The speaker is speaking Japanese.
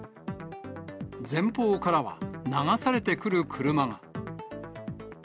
前方からは、流されてくる車が。